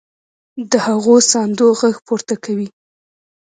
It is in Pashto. د هغو ساندو غږ پورته کوي.